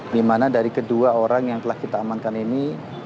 di mana dari kedua orang yang telah kita amankan ini